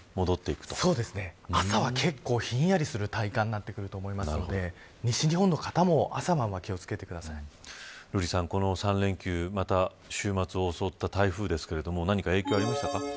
朝は結構ひんやりする体感になってくると思うので西日本の方も瑠麗さん、この３連休また週末を襲った台風ですが何か影響ありましたか。